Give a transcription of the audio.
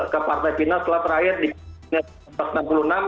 ke partai final setelah terakhir di piala eropa seribu sembilan ratus enam puluh enam